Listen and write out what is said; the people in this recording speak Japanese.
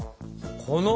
この。